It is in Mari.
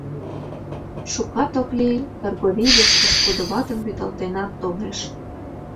Шукат ок лий, Кыргорий вес пошкудо ватым вӱдалтенат толеш.